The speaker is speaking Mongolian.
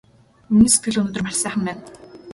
Миний сэтгэл өнөөдөр маш сайхан байна!